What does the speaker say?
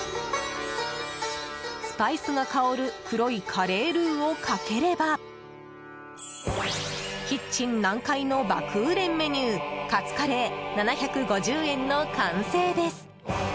スパイスが香る黒いカレールーをかければキッチン南海の爆売れメニューカツカレー、７５０円の完成です。